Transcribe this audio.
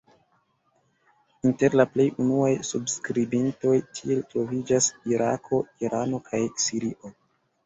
Inter la plej unuaj subskribintoj tiel troviĝas Irako, Irano kaj Sirio.